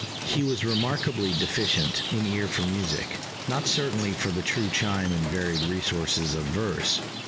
He was remarkably deficient in ear for music not certainly for the true chime and varied resources of verse.